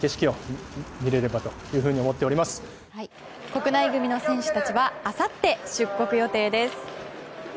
国内組の選手たちはあさって出国予定です。